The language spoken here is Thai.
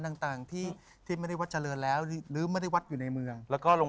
แจ๊คจิลวันนี้เขาสองคนไม่ได้มามูเรื่องกุมาทองอย่างเดียวแต่ว่าจะมาเล่าเรื่องประสบการณ์นะครับ